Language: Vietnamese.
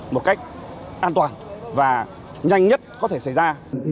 một cách an toàn và nhanh nhất có thể xảy ra